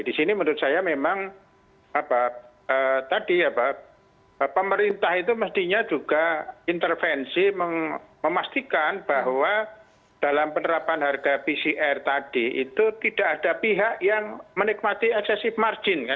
di sini menurut saya memang tadi pemerintah itu mestinya juga intervensi memastikan bahwa dalam penerapan harga pcr tadi itu tidak ada pihak yang menikmati eksesif margin ya